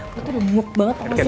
gue tuh udah muk banget